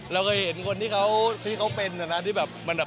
เราก็เคยเห็นคนที่เขาเป็นอะนะ